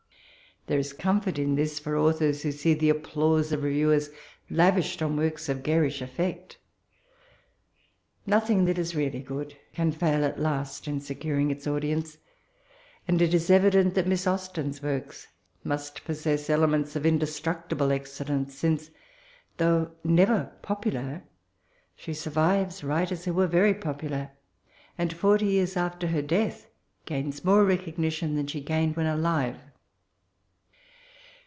There is comfort in this for (authors who see the applause of reviewers lavished on worlu of garish effect Nothing that is really good can Ml, at last, in securing its audience ; and it is evident that Miss Austen's works ' must possess elements of indestrocU ble excellence, smoe, although never *' popular," she sarvives writers who were very popular; and forty years after her death, gains more reco^i tioD than she gained when alive.